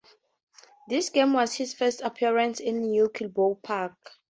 This game was his first appearance at New Kilbowie Park.